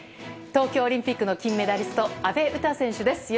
東京オリンピックの金メダリスト阿部詩選手です